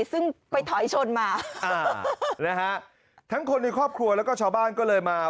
ซึ่งไปถอยชนมาอ่านะฮะทั้งคนในครอบครัวแล้วก็ชาวบ้านก็เลยมา